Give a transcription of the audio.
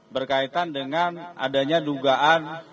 berkaitan dengan adanya dugaan